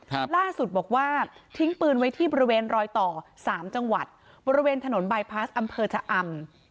ล่าสุดบอกว่าทิ้งปืนไว้ที่บริเวณรอยต่อสามจังหวัดบริเวณถนนบายพลาสอำเภอชะอำ